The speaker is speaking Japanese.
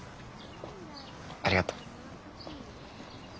ありがとう。